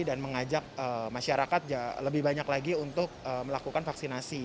dan mengajak masyarakat lebih banyak lagi untuk melakukan vaksinasi